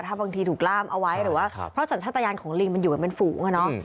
ถ้าบางทีถูกล่ามเอาไว้หรือว่าเพราะสัญชาติยานของลิงมันอยู่กันเป็นฝูงอะเนาะ